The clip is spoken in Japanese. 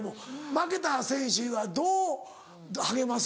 負けた選手はどう励ますんですか？